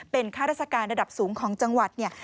เป็นข้าราชการระดับสูงของจังหวัดเนี่ย